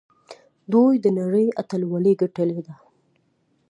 دوی د نړۍ اتلولي ګټلې ده.